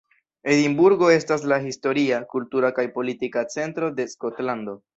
Edinburgo estas la historia, kultura kaj politika centro de Skotlando.